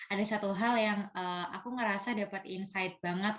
ada satu hal yang aku ngerasa dapet insight banget